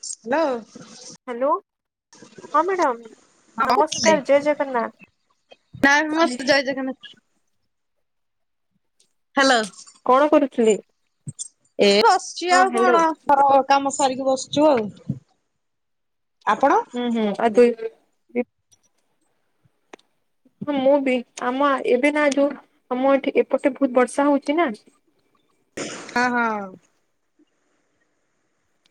Hello. Hello. ହଁ madam. ନମସ୍କାର ଜୟ ଜଗନ୍ନାଥ। ଗାଏ ମସ୍ତ ଜୟ ଜଗନ୍ନାଥ। ହ୍ୟାଲୋ। କଣ କରୁଚୁଲି? ଏ ବସିଛି ଆଉ କଣ? ହ କାମ ସାରିକି ବସଛୁ ଆଉ ଆପଣ? ହୁଁ ହୁଁ ଆଦାୟୀ ହୁଏ। ହଁ ମୁଁ ବି ଆମ ଏବେ ନା ଯୋଉ ଆମ ଏଠି ଏପଟେ ବହୁତ ବର୍ଷା ହଉଛି ନା ହଁ ହଁ।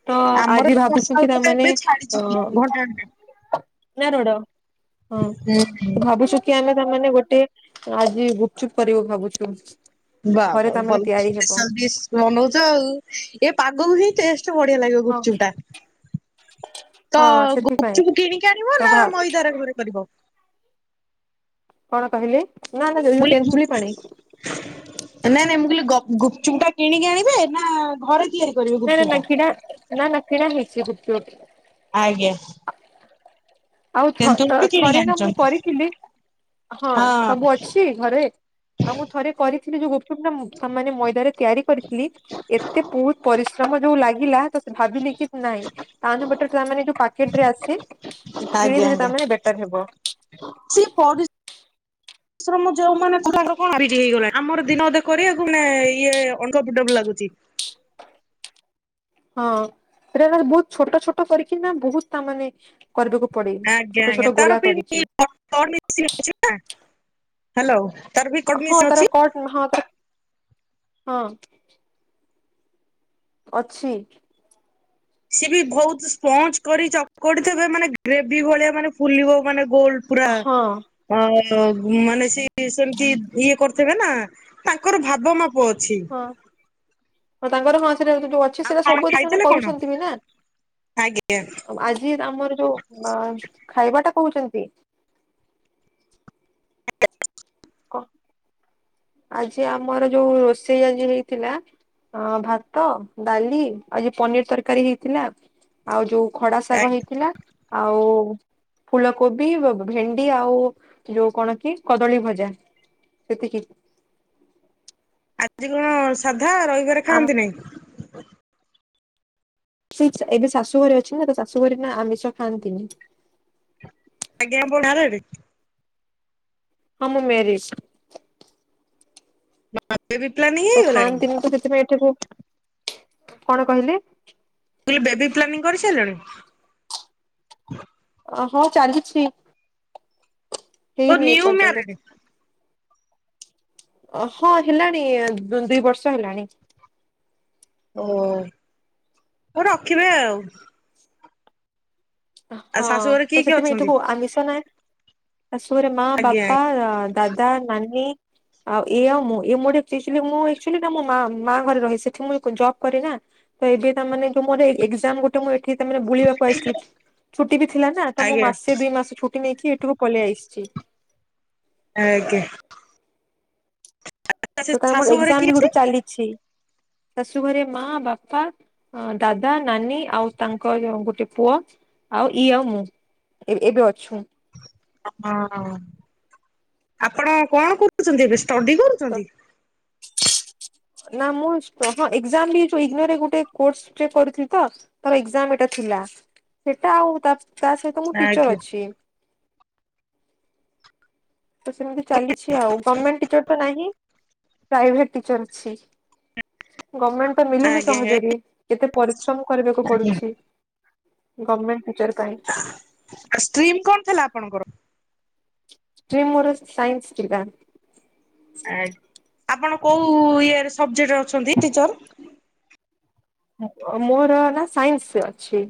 ତ ଆମର ଆଜି ଏ ବର୍ଷା ଭାବୁଛନ୍ତି ହଉଥିଲା ତାମାନେ ଏବେ ଛାଡିଛି ଘଣ୍ଟା ଘଣ୍ଟା। ଅ ନା ରୋଡ ହଁ ହୁଁ ହୁଁ। ତୁ ଭାବୁଛୁ କି ଆମେ ତାମାନେେ ଗୋଟେ ଆଜି ଗୁପଚୁପ କରିବୁ ଭାବୁଛୁ। ବା ଘରେ ବା ତାମାନେ ଭଲା ତିଆରି ହେବ ସ୍ପୈସାଲ ଡିସ୍ ବନଉଛ ଆଉ ଏ ପାଗ ହିଁ ଟେଷ୍ଟ୍ ତୋ ବଢିଆ ଲାଗିବ ହଁ ଗୁପଚୁପ ଟା। ତ ହଁ ସେଥିପାଇଁ ଗପଚୁକୁ କିଣିକି ଆଣିବ ତ ନା ଭା ମଇଦାରେ ଘରେ କରିବ। କଣ କହିଲେ? ନା ନା [unintelligible] ଯୋଉ ତେନ୍ତୁଳି ପାଣି ନାଇଁ ନାଇଁ ମୁଁ କହିଲି ଗ ଗୁପଚୁପ୍ ଟା କିଣିକି ଆଣିବେ ନା ଘରେ ତିଆରି? କରିବେ ଗୁପଚୁପ୍ ନା-ନା-ନା ଟା? କିଣା ନା-ନା କିଣା ହେଇଚି ଗୁପ୍ ଚୁପ୍। ଆଜ୍ଞା। ଆଉ ଥ ତେନ୍ତୁଳି ବି କିଣିକି ଥରେ ନା ମୁଁ ଆଣିଛନ୍ତି କରିଥିଲି, ହଁ ସବୁ ଅଛି। ଘରେ, ଆଉ ମୁଁ ଥରେ କରିଥିଲି ଯୋଉ ଗୁପଚୁପ ଟା ମାନେ ମଇଦାରେ ତିଆରି କରିଥିଲି। ଏତେ ବହୁତ ପରିଶ୍ରମ ଯୋଉ ଲାଗିଲା ତ ଭାବିଲି କି ନାଇଁ ଟାଉନବଟର ମାନେ ଯୋଉ ପ୍ୟାକେଟ ରେ ଆସେ ଆଜ୍ଞା କିଣିଦଲେ ଆଜ୍ଞା। ତାମାନେ ବେଟର ହେବ‌। ସେ। [unintelligible] ପରିଶ୍ରମ ଯୋଉ ମାନେ କଲା କ୍ଲାରିଟ ହେଇଗଲାଣି। ଆମର ଦିନ ଅଧେ କରିବାକୁ ମାନେ ଇଏ ଅଙ୍ଗ ବିଣ୍ଡବ ଲାଗୁଚି। ହଁ ସେଇଟା ତାର ବହୁତ ଛୋଟ ଛୋଟ କରିକି ନା ବହୁତ ତା ମାନେ କରିବାକୁ ପଡ଼େ, ଆଜ୍ଞା ଛୋଟ ଆଜ୍ଞା ଛୋଟ ତାର ଗୋଳା କରିକି। [unintelligible] ହ୍ୟାଲୋ। ତାର ବି କଟ ହଁ ମେସିନ୍ ତାର ଅଛି। କଟ ହଁ ତାର ହଁ। ଅଛି। ସିଏ ବି ବହୁତ ସ୍ପଞ୍ଜ କରି ଚକଟି ଥେବେ, ମାନେ ଗ୍ରେଭି ଭଳିଆ ମାନେ ଫୁଲିବ ମାନେ ଗୋଲ। ପୁରା ହଁ ଅ ମାନେ ସେ ସେମିତି ଇଏ କର ସେମାନେ ନା ତାଙ୍କର ଭାବ ମାପ ଅଛି। ହଁ। ହଁ ତାଙ୍କର ହଁ ସେରା ଯୋଉ ଅ ସେ ଆଉ ସେରା କଣ ସବୁବେଳେ ସେମାନେ ଖାଇଥିଲେ କଣ? କରୁଛନ୍ତି ବି ନା। ଆଜ୍ଞା ଆଉ ଆ ଯିଏ ଆମର ଯୋଉ ଖାଇବା ଟା କହୁଛନ୍ତି କ, ଆଜି ଆମର ଯୋଉ ରୋଷେଇ ଆଜି ହେଇଥିଲା ଅ ଭାତ, ଡାଲି ଆଉ ଯୋଉ ପନିର ତରକାରୀ ହେଇଥିଲା। ଆଉ ଯୋଉ ଖଡା ଶାଗ ହେଇଥିଲା। ଆଉ ଫୁଲକୋବି, ଭେଣ୍ଡି ଆଉ ଯୋଉ କଣ କି କଦଳୀ ଭଜା। ସେତିକି ଆଜି କଣ ସାଧା ରଇବାରେ ଆମ ଖାଆନ୍ତିନି। ଏବେ ଶାଶୁଘରେ ଅଛ, ଶାଶୁଘରେ ନା ଆମିଷ ଖାଆନ୍ତିନି। ଆଜ୍ଞା। [unintelligible] ହଁ ମୁଁ ମ୍ୟାରେଜ। ବେବି ପ୍ଲାନିଙ୍ଗ ତ ଖାଆନ୍ତିନି ତ ସେଥିପାଇଁ ଏଠି ମୁଁ, କଣ କହିଲେ? ମୁଁ କହିଲି ବେବି ପ୍ଲାନିଂ କରିସାରିଲଣି? ହଁ, ଚାଲିଛି ଓ ହେଇନି ନିଉ ଏପର୍ଯ୍ୟନ୍ତ। ମ୍ୟାରେଡ ହଁ, ହେଲାଣି ଦୁଇ ବର୍ଷ ହେଲାଣି। ଓ ରଖିବେ ଆଉ। ଆଉ ହଁ। ଶାଶୁଘରେ କିଏ ତ କିଏ ସେଥିପାଇଁ ଅଛନ୍ତି? ଏଠିକୁ ଆମିଷ ନାଇଁ। ଶାଶୁ ଘରେ ମା ଆଜ୍ଞା ବାପା ଆ ଦାଦା, ନନୀ ଆଉ ଇଏ ଆଉ ମୁଁ। [unintelligible] ମୁଁ ଆକଚୁଆଲି ମୋ ମା ମା ଘରେ ରହେ। ସେଠି ମୁଁ ଜବ୍ କରେ ନା। ତ ଏବେ ତାମାନେ ମୋର ଏଜ୍ଜାମ୍ ଗୋ ଟେ, ମୁଁ ଏଠି ତାମାନେ ବୁଲିବାକୁ ଆସଥିଲି। ଛୁଟି ବି ଥିଲା ନା। ତ ମୁଁ ଆଜ୍ଞା ମାସେ ଦୁଇ ମାସ ଛୁଟି ନେଇକି ଏଠୁ ପଲେଇ ଆସିଚି। ଆଜ୍ଞା। ସେ ତ ତା ମୋର ଶାଶୁଘରେ ଏକ୍ଜାମ କିଏ ବି ଅଛି? ଗୋଟେ ଚାଲିଛି ଶାଶୁ ଘରେ ମା, ବାପା ଅ ଦାଦା, ନାନୀ ଆଉ ତାଙ୍କର ଗୋଟେ ପୁଅ ଆଉ ଇଏ ଆଉ ମୁଁ। ଏ ଏବେ ଅଛୁ। ଅ ହଁ। ଆପଣ କଣ କରୁଛନ୍ତି ଏବେ ଷ୍ଟଡି କରୁ [unintelligible] [inaudible] ନା ମୁଁ ହଁ ଏଜ୍ଜାମ୍ ବି ଇଗନୋରେ ଗୋଟେ କୋର୍ସ ଟେ କରୁଚି ତ। ମୋର ଏଜ୍ଜାମ୍ ଏଟା ଥିଲା। ସେଟା ଆଉ ତା ସହିତ ମୁଁ ଟିଚର ଆଜ୍ଞା ଅଛି। ତ ସେମିତି ଚାଲିଚି ଆଉ। ଗମେଣ୍ଟ ଟିଚର ତ ନାହିଁ, ପ୍ରାଇଭେଟ୍ ଟିଚର ଅଛି। ଗମେଣ୍ଟ ତ ମିଳୁନି ଆଜ୍ଞା ସହଜରେ କେତେ ପରିଶ୍ରମ କରିବାକୁ ଆଜ୍ଞା। ପଡୁଛି। ଗମେଣ୍ଟ ଟିଚର ପାଇଁ। ଷ୍ଟ୍ରିମ କଣ ଥିଲା ଆପଣଙ୍କର? ଷ୍ଟ୍ରିମ ମୋର ସାଇନ୍ସ ଥିଲା। ଆ ଆପଣ କୋଉ ଇଏରେ ସବଜେକ୍ଟରେ ଅଛନ୍ତି ଟିଚର? ଅ ମୋର ହେଲା ସାଇନ୍ସ ଅଛି।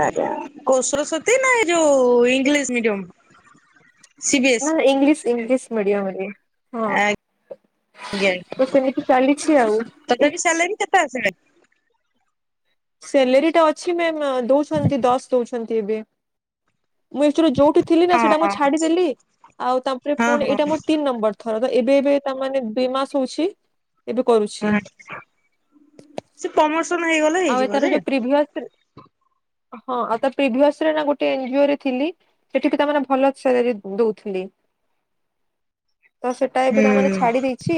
ଆଜ୍ଞା କୋଉ ସରସ୍ଵତୀ ନା ଏ ଯୋଉ English medium C B S ନା ନା ଇଂଲିଶ ଇଂଲିଶ ମିଡିୟମ ରେ। ହଁ ଆଜ୍ଞା। ତ ସେମିତି ଚାଲିଛି ଆଉ ଏଇ ଟା ଆସି ନାଇ ସ୍ୟାଲେରୀଟା ଅଛି ମ୍ୟାମ ଦଉଛନ୍ତି ଦଶ ଦଉଛନ୍ତି ଏବେ। ମୁଁ ଏକ୍ଚୋଲି ଯୋଉଠି ଥିଲ ନା ହଁ ସେଇଟା ମୁଁ ଛାଡିଦେଲି ଆଉ ତାପରେ ହଁ ପୁଣି ହଁ ଏଇଟା ମୋର ତିନି ନମ୍ବର। ଥର ତ ଏବେ ଏବେ ତାମାନେ ଦୁଇ ମାସ ହଉଛି ଏବେ କରୁଛି। ହଁ ସେ ପମୋସନ ହେଇଗଲା ଆଉ ଏ ହେଇଯିବ ତାର ଯେ। ଯୋଉ ହଁ ପ୍ରିଭିୟସ ଆଉ ପ୍ରିଭିଅସରେ ନା ଗୋଟେ ଏନ୍ଜିଓରେ ଥିଲି। ସେଠିକି ତାମାନେ ଭଲ ସ୍ୟାଲେରୀ ଦୋଉଥିଲେ। [inaudible] ତ ସେଟା ଏବେ ହୁଁ ତାମାନେ ଛାଡ଼ି ଦେଇଚି।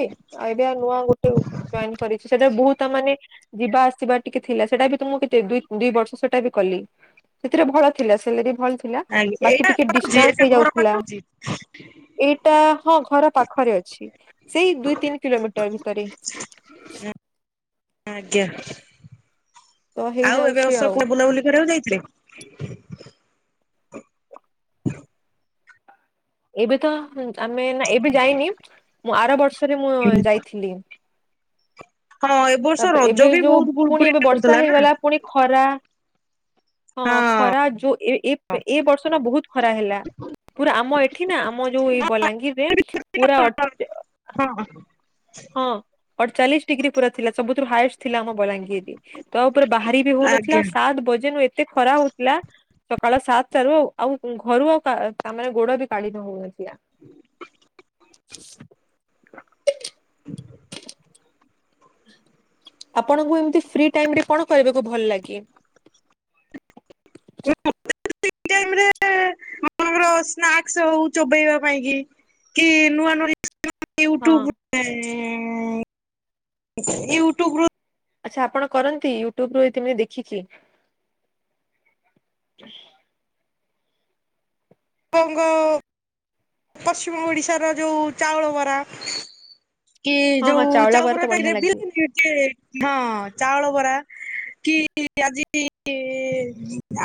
ଆଇଡ଼ିଆ ନୂଆ ଗୋଟେ ଉ ବ୍ୟାଙ୍କ କରିଚି ସେଟା ବୋହୁତ ତା ମାନେ ଯିବା ଆସିବା ଟିକେ ଥିଲା। ସେଟା ବି ତୁମକୁ କେତେ ଦୁ ଦିଇ ବର୍ଷ ସେଟା ବି କଲି। ସେଥିରେ ଭଲ ଥିଲା ସ୍ୟାଲେରୀ ଭଲ ଥିଲା ଆଜ୍ଞା ବାକି ଏଇଟା ଟିକେ ପାଉଛି ଏଇଟା ଡିଷ୍ଟାନ୍ସ ହେଇ ଘର ଯାଉଥିଲା। ପାଖାଉଛି ଏଇଟା ହଁ ଘର ପାଖରେ ଅଛି। ସେଇ ଦୁଇ ତିନି କିଲୋମିଟର ଭିତରେ। ହଁ ଆଜ୍ଞା। ତ ଆଉ ଏବେ ହେଇଯାଉଛି ଆଉ। ଅସୋକପୁର ବୁଲାବୁଲି କରିବାକୁ ଯାଇଥିଲେ ହଲ [inaudible] ଏବେ ତ ଆମେ ନା ଏବେ ଯାଇନି ମୁଁ ଆର ବର୍ଷରେ ମୁଁ ଯାଇଥିଲି। ହଁ ଏବ ବର୍ଷ ତାପରେ ଏବେ ରଜ ବି ଯୋଉ ବୋହୁତ ପୁଣି ଗୁଳଗୁଳି ଏବେ ଟା ବର୍ଷା ହୋଉଥିଲା ନା। ହେଇଗଲା ପୁଣି ଖରା ହଁ ଖରା ଯୋ ଏ ଏପ୍ ଏ ବର୍ଷ ନା ବୋହୁତ ଖରା ହେଲା। ପୁରା ଆମ ଏଠି ନା ଆମ ଯୋଉ ଏଇ ବଲାଙ୍ଗୀରରେ ପୁରା ହଁ। ହଁ ଅଡଚାଳିଶ ଡିଗ୍ରୀ ପୁରା ଥିଲା ସବୁଠୁ ହାଏଷ୍ଟ ଥିଲା ଆମ ବଲାଙ୍ଗୀରରେ। ତା ଉପରେ ବାହାରି ବି ହୋଉନଥିଲା ଆଜ୍ଞା ଆଉ ଏଇ ସାତ୍ ବଜେନୁ ଏତେ ଖରା ହୋଉ ଥିଲା ସକାଳ ସାତଟାରୁ ଆଉ ଆଉ ଘରୁ ଆଉ କା କାମରେ ଗୋଡ ବି କାଢି ହୋଉନଥିଲା। [inaudible] ଆପଣଙ୍କୁ ଏମିତି ଫ୍ରି ଟାଇମ ରେ କଣ କରିବାକୁ ଭଲ ଲାଗେ? [unintelligible] ଟାଇମରେ ଆପଣଙ୍କର ସ୍ନାକ୍ସ ହୋଉ ଚୋବେଇବା ପାଇଁ କି କି ନୂଆ ନୂଆ [unintelligible] ହଁ ୟୁଟୁବ ରୁ ଥାଏ ଏଁ ୟୁଟୁବରୁ ଆଛା ଆପଣ କରନ୍ତି ୟୁଟୁବ ରୁ ଏତିମେ ଦେଖିକି? [unintelligible] ପଶ୍ଚିମ ଓଡ଼ିଶାର ଯୋଉ ଚାଉଳ ବରା କି ହଁ ହଁ ଯୋଉ ଚାଉଳ ବରା ତ ଚାହୁପର ତାଇ ବଢିଆ ରେ ଲାଗେ ଦିଅନ୍ତିନି ଚେ ହଁ ଚାଉଳ ବରା କି ଆଜି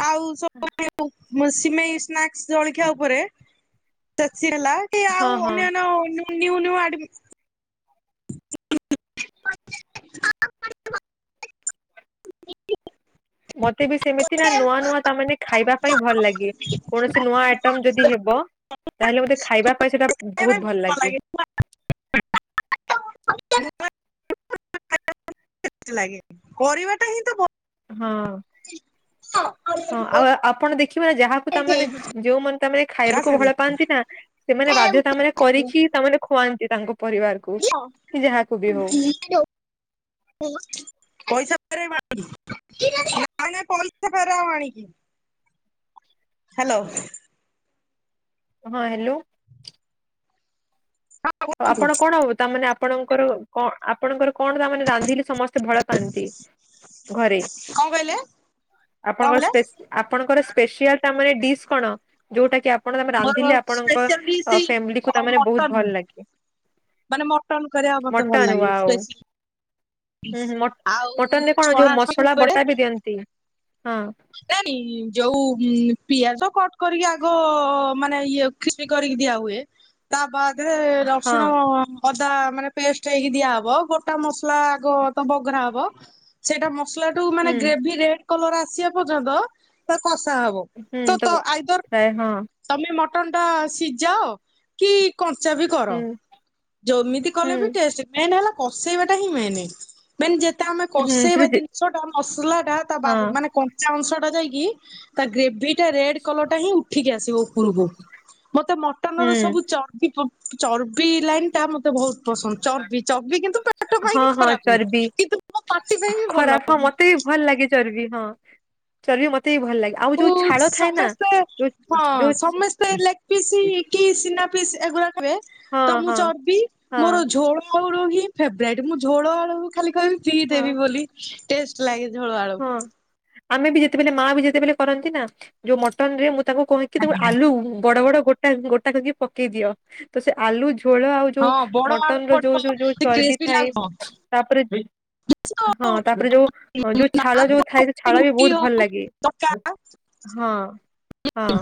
ଆଉ ହୁଁ। ପୁ ମେସିମେଇ ସ୍ନାକ୍ସ ଜଳଖିଆ ଓପରେ ତା ଚି ହେଲା କି ହଁ ଆଉ ହଁ। ଅନ୍ୟାନ୍ୟ ନୁ ନିୟୁ ନିୟୁ ଆଡ଼ମିସ୍ [inaudible] ମତେ ବି ସେମିତି ନା ନୂଆ ନୂଆ ତା ମାନେ ଖାଇବା ପାଇଁ ଭଲ ଲାଗେ। କୌଣସି ନୂଆ ଆଇଟମ ଯଦି ହେବ ତାହେଲେ ମତେ ଖାଇବା ପାଇଁ ସେଇଟା ବୋହୁତ ଭଲ ଲାଗେ। [unintelligible] କରିବାଟା ହିଁ ତ ଭ ହଁ ସାଙ୍ଗରେ ହଁ ପଇସା ଆଉ ଆପଣ ଦେଖିବେ ନା ଯାହାକୁ ତାମାନେ ଯୋଉ ମାନେ ତାମାନେ ଖାଇବାକୁ ଭଲ ପାଆନ୍ତି ନା ସେମାନେ ବାଧ୍ୟତାମାନେ କରିକି ତାମାନେ ଖୁଆନ୍ତି ତାଙ୍କ ପରିବାର କି ଯାହାକୁ ବି ହଉ। ହ [inaudible] ପଇସା ଫେରେଇବ ଆଣିକି ପଇସା ଫେରାଅ ଆଣିକି ହ୍ୟାଲୋ। ହଁ ହ୍ୟାଲୋ। ହଁ କୁହନ୍ତୁ ଆପଣ କଣ ହବ ତାମାନେ ଆପଣଙ୍କର କ ଆପଣଙ୍କର କଣ ତାମାନେ ରାନ୍ଧିଲେ ସମସ୍ତ ଭଲ ପାଆନ୍ତି ଘରେ କଣ କହିଲେ କଣ ଆପଣଙ୍କ କହିଲେ? ସ୍ପେସି ଆପଣଙ୍କର ସ୍ପେସିଆଲ ତାମାନେ ଡିସ୍ କଣ? ଯୋଉଟା କିି ଆପଣ ତମେ ମୋର ରାନ୍ଧିଲେ ଆପଣଙ୍କ ସ୍ପେଶାଲ ଡିସ୍ ଅ ଫ୍ୟାମିଲି କୁ ଆଉ ବହୁତ ମଟନ ଭଲ ଲାଗେ? ମାନେ ମଟନ କରିବା ମତେ ଭଲ ମଟନ ଲାଗେ ୱାଓ ସ୍ପେସି ହୁଁ ହୁଁ ଆଉ ମଟନ ରେ କଣ ଯୋଉ ଛଣା ଛନି ମସଲା ଉପରେ। ବଟା ବି ଦିଅନ୍ତି ହଁ ତାନି ଯୋଉ ପିଆଜ କଟ କରିକି ଆଗ ମାନେ ଇଏ ଖୀଚୀ କରିକି ଦିଆ ହୁଏ। ତା ବାଦେ ହଁ ରସୁଣ ଅଦା ମାନେ ପେଷ୍ଟ ହେଇକି ଦିଆହବ ଗୋଟା ମସଲା କ ତ ବଗରା ହବ ସେଇଟା ମସଲା ଟୁ ମାନେ ହୁଁ ଗ୍ରେଭି ରେ କଲର ଆସିବା ପର୍ଯ୍ୟନ୍ତ ତ କଷା ହବ ତ ତ ଆଇଦର ପ୍ରାୟ ହଁ ତମେ ମଟନ ଟା ସିଝାଅ କି କଞ୍ଚା ବି କର ହୁଁ ଯୋମିତି କଲେ ହୁଁ ବି ଟେଷ୍ଟ ମେନ୍ ହେଲା କଷେଇବା ଟା ହିଁ ମେନେ ମେନ ଯେତେ ଆମେ ହୁଁ କଷେଇବା ଶ୍ରୁତି ଜିନିଷ ଟା ମସଲା ଟା ତା ହଁ ମାନେ ଅଂଶ ଟା ଯାଇକି ତା ଗ୍ରେଭି ଟା ରେଡ୍ କଲର ଟା ହିଁ ଉଠିକି ଆସିବ ଉପରକୁ। ମତେ ମଟନ ହୁଁ ର ସବୁ ଚର୍ବି ଚର୍ବି ଲାଇନ୍ ଟା ମତେ ବହୁତ ପସନ୍ଦ ଚର୍ବି ଚର୍ବି କିନ୍ତୁ ପେଟ ହଁ ପାଇଁକି ହଁ ଖରାପେ ଚର୍ବି କିନ୍ତୁ ମ ପାଟି ପାଇଁ କି ଭଲ ଖରାପ ହଁ ମତେ ବି ଭଲ ଲାଗେ ଚର୍ବି ହଁ ଚର୍ବି ମତେ ବି ଭଲ ଲାଗେ। ଆଉ କୁ ଯୋଉ ଛାଳ ଥାଏ ନା ସମସ୍ତେ ଯୋଉ ହଁ ଯୋଉ ସମ ଲେଗ ପିସ୍ କି ସିନା ପିସ୍ ଏଗୁଡା କରେ ତ ହଁ ମୁଁ ହଁ ଚର୍ବି ହଁ ମୋର ଝୋଳ ମୋର ହିଁ ଫେବରାଇଟ ମୁଁ ଝୋଳ ଆଳୁ ଖାଲି କହିବି ପିଇ ହଁ ଦେବି ବୋଲି ଟେଷ୍ଟ ଲାଗେ ଝୋଳ ଆଳୁ। ହଁ ଆମେ ବି ଯେତେବେଲେ ମା ବି ଯେତେବେଲେ କରନ୍ତି ନା ଯୋଉ ମଟନରେ ମୁଁ ତାଙ୍କୁ କହିକି ତାଙ୍କୁ ଆଜ୍ଞା ଆଲୁ ବଡ ବଡ ଗୋଟା ଗୋଟା କରିକି ପକେଇ ଦିଅ ତ ସେ ଆଲୁ ଝୋଳ ଆଉ ଯୋଉ ହଁ ବଡ ମଟନ ଆଳୁ ର ଯୋଉ ଯୋଉ ପଡିଥିବ ଯୋଉ ସେ ଚର୍ବି କ୍ରିସ୍ପି ଥାଏ। ଲାଗୁଥିବ ତାପରେ [unintelligible] ହଁ ତାପରେ ଯୋଉ ଯୋଉ ଛାଳ ଯୋଉ ଥାଏ ସେ ଛାଳ ବି ରୁଟି ବହୁତ ଭଲ ହଉ ଲାଗେ ତରକା ହଁ। ହଁ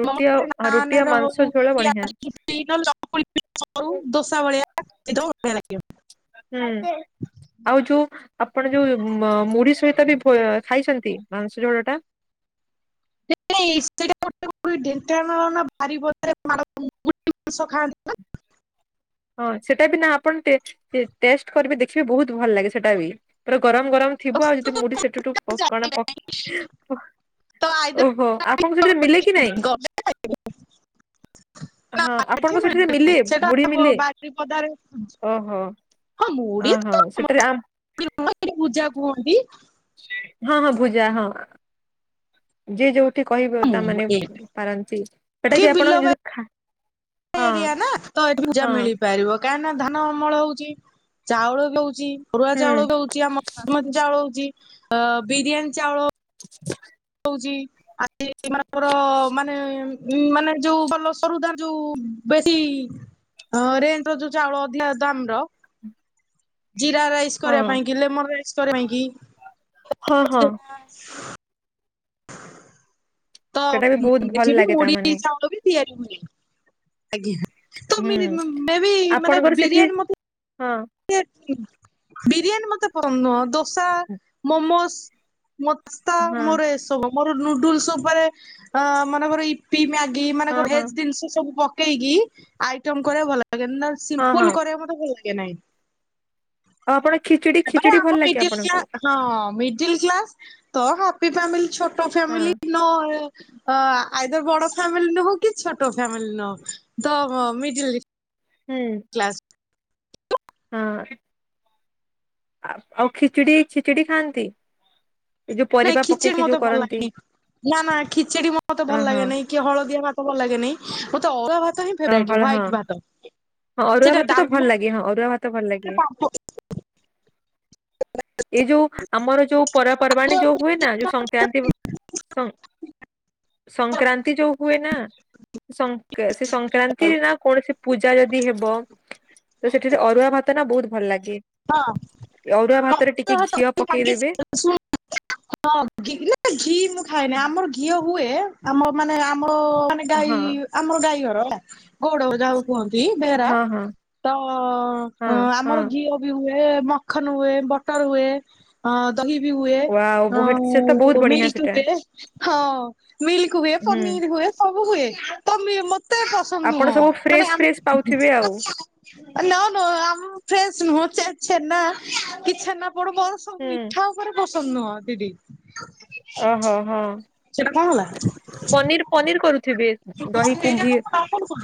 ରୁଟିଆ ରୁଟିଆ ହଉ ମାଂସ ଝୋଳ କି ବଢି [unintelligible] [unintelligible] ଚକୁଳି ପିଠା ହଉ ଦୋସା ଭଳିଆ [unintelligible] ବଢ଼ିଆ ଲାଗିବ। ହୁଁ ଆଉ ଯୋଉ ଆପଣ ଯୋଉ ମ ମୁଢି ସହିତ ବି ଖାଇଛନ୍ତି ମାଂସ ଝୋଳଟା? ନାଇ ସେଇ [unintelligible] [unintelligible] ଢ଼େଙ୍କାନାଳ ନା ବାରିପଦା ମୁଢ଼ି ମାଁସ ଖାଆନ୍ତି ନା। ହଁ ସେଟା ବି ନା ଆପଣ ଟେ ଟେଷ୍ଟ କରିବେ ଦେଖିବେ ବହୁତ ଭଲ ଲାଗେ ସେଟା ବି ପୁରା ଗରମ ଗରମ। ଥିବ ଆଉ ଯଦି ମୁଢି ସେଠୁଠୁ କଣ ଇ ଓ ତ ଆଇଦର ଓହୋ ଆପଣଙ୍କୁ ସେଠୀ ମିଲେ କି ନାଇଁ। ହଁ ଆପଣଙ୍କ ସେଠି ମିଲେ ସେଟା ମୁଢି ଆମ ମିଲେ? ମୁଢି ପଦାରେ [inaudible] ଓହୋ ହଁ ଓହୋ ସେଠାରେ ଆ ଏଠି ପୂଜା କୁହନ୍ତି ହଁ ହଁ ଭୂଜା ହଁ। ଯିଏ ଯୋଉଠି କହିବେ ତାମାନେ ମୁଁ ପାରନ୍ତି ସେଟା ଏଠି ବି ଆପଣ ବିଲ ଯଦି ଖା ହଁ ଏରିଆ ନା ତ ଏଠି ଭୂଜା ହଁ ମିଳିପାରିବ କାହିଁକି ନା ଧାନ ଅମଳ ହଉଛି ଚାଉଳ ବି ହଉଛି। ହଉଛି ଅରୁଆ ହୁଁ ଚାଉଳ ବି ହଉଛି ଆମ ଚାଉଳ ହଉଛି ଅ ବିରିୟାନୀ ଚାଉଳ [unintelligible] ହଉଛି ଆଜିଏଇ ମାନଙ୍କର ମାନେ [inaudible] ଉ ମାନେ ଯୋଉ ଭଲ ସରୁଦାର ଯୋଉ ବେଶୀ। ହଁ ରେଣ୍ଟର ଯୋଉ ଚାଉଳ ଅଧିକା ଦାମର ଜିରା ରାଇସ। ହଁ କରିବା ପାଇଁ କି ଲେମନ ରାଇସ୍ କରିବା ପାଇଁ କି। ହଁ ହଁ। ହ ତ ସେଟା ବି ବହୁତ ଭଲ ଏଠିବି ଲାଗେ ମୁଡ଼କି ତାମାନେ ଚାଉଳ ବି। ତିଆରି ହୁଏ ଆଜ୍ଞା ହୁଁ ତମେ ବି ମେ ବି ମାନେ ଆପଣଙ୍କର ସେଠି ବିରିୟାନି ମତେ ହଁ। ବିରିୟାନୀ ମତେ ପ ଦୋସା ହଁ ମୋମୋସ। ମସ୍ତା ମୋର ହଁ ଏ ସବୁ ମୋର ନୁଡୁଲସ ଉପରେ ଅ ମାନେ ମୋର ଇପ। ପି ମାଗି ହଁ ମାନେଗୋଟେ ହଁ ଭେଜ ଜିନିଷ ସବୁ ପକେଇକି ଆଇଟମ କରିବାକୁ ଭଲ ଲାଗେ ନ ହଁ ସିମ୍ପଲ କରିବାକୁ ମୋତେ ଭଲ ଲାଗେ ନାଇଁ। ଆଉ ଆପଣ ଖିଚଡି ଭାଇ ଖିଚଡି ଭଲ ଆମ ଲାଗେ ମିଡିଲ କ୍ଲା ଆପଣଙ୍କୁ? ହଁ ମିଡିଲ କ୍ଲାସ ତ ହାପି ଫାମିଲି ଛୋଟ ହଁ ଫ୍ୟାମିଲି ନ ଅ ଆଇଦର ବଡ ଫ୍ୟାମିଲି ନୁହୁଁ କି ଛୋଟ ଫ୍ୟାମିଲି ନୁହଁ ତ ମିଡିଲ। ହୁଁ। କ୍ଲାସ୍। ହଁ। ଆ ଆଉ ଖିଚଡ଼ି ଖିଚଡ଼ି ଖାଆନ୍ତି। ଏ ଯୋଉ ନାଇଁ ପରିବା ଖିଚଡି ପକେଇକି ଯୋଉ ମତେ ଭଲ କରନ୍ତି ଲାଗେନି ନା ନା ଖିଚଡି ମତେ ଅ ଭଲ ଲାଗେ ହଁ ନାଇଁ। କି ହଳଦିଆ ଭାତ ଭଲ ଲାଗେ ନେଇଁ ମତେ ଅରୁଆ ଭାତ ହିଁ ଫେବରାଇଟ ହଁ ହ୍ୱାଇଟ୍ ଭାତ। ହଁ ଅରୁଆ ସେଇଟା ଭାତ ତ ଡାଲମା ଭଲ ଲାଗେ ହଁ ଅରୁଆ ଭାତ ଭଲ ଲାଗେ। ଏଇ ଯୋଉ ଆମର ଯୋଉ ପର୍ବପର୍ବାଣୀ ଯୋଉ ହୁଏ ନା ଯୋଉ ସଂକ୍ରାନ୍ତି ସଂକ୍ରାନ୍ତି ଯୋଉ ହୁଏ ନା। ସଂକ୍ରା ସେ ସଂକ୍ରାନ୍ତି ନା କୌଣସି ପୂ ଯଦି ହେବ ତ ସେଠି ସେ ଅରୁଆ ଭାତ ନା ବହୁତ ଭଲ ଲାଗେ। ଅଡୁଆ ଭାତରେ ଟିକେ ଘିଅ ପକେଇଦେବେ। ଆ [inaudible] ହଁ ନା ଘି ମୁଁ ଖାଏନି ହଁ ଆମର ଘିଅ ହୁଏ ଆମ ମାନେ ଆମର ମାନେ ଗାଈ ଆମର ଗାଈ ଘର ହେଲା ଗଉଡ ଯାଉ କୁହନ୍ତି ବେହେରା ହଁ ହଁ ତ ହଁ ଆମର ହଁ। ଘିଅ ବି ହୁଏ ମଖନ ହୁଏ ବଟର ହୁଏ ଦହି ବି ହୁଏ। ୱାଓ ବହୁତ୍ ସେ ତ ବହୁତ ହଁ ବଢିଆ ମିଲ୍କ ସେଟା। ହୁଏ ହଁ ମିଲ୍କ ହୁଏ ହୁଁ। ପନିର ହୁଏ। ସବୁ ହୁଏ ତ ମି ମତେ ପସନ୍ଦ ଆପଣ ନୁହଁ ସବୁ ମାନେ ଫ୍ରେଶ୍ ଆମ ଫ୍ରେଶ୍ ପାଉଥିବେ ଆଉ। ନ ନୁହ ଆମ ଫ୍ରେଶ ନୁହଁ ଛେନା କି ଛେନା ପୋଡ଼ ମୋର ହୁଁ ମିଠା ଉପରେ ପସନ୍ଦ ନୁହଁ ଦିଦି। ଏ ହଁ ହଁ। ସେଟା କଣ ହେଲା ସେଇଠି ପନିର କରୁଥିବେ। ଦହିକୁ ଏଇଟା ଘିଅ କଣ କ କର [inaudible]